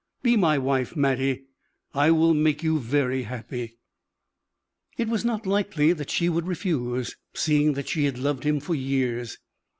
Be my wife, Mattie; I will make you very happy." It was not likely that she would refuse, seeing that she had loved him for years.